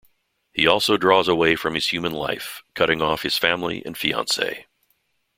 He also draws away from his human life, cutting off his family and fiancee.